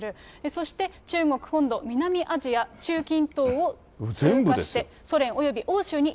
そして中国本土、南アジア、中近東を通過して、ソ連および欧州に